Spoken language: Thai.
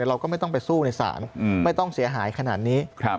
เราก็ไม่ต้องไปสู้ในศาลไม่ต้องเสียหายขนาดนี้